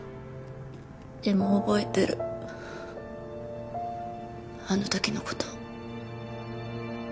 でも覚えてるあの時の事。